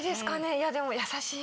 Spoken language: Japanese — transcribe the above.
いやでも優しい。